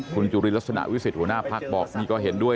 คุณจุลินลักษณะวิสิทธิหัวหน้าพักบอกนี่ก็เห็นด้วย